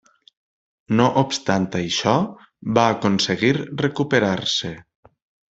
No obstant això, va aconseguir recuperar-se.